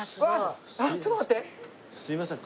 すいません